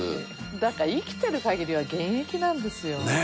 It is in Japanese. だから生きてる限りは現役なんですよ。